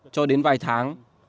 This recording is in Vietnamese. cho đến vài tháng